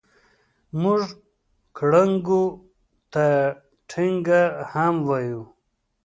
موږ ګړنګو ته ټنګه هم وایو.